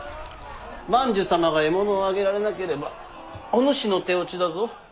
万寿様が獲物を挙げられなければおぬしの手落ちだぞ。